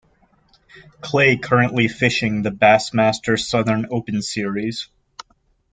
Clay currently fishing the Bassmaster Southern Open series.